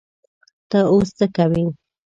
ته اوس څه کوې؟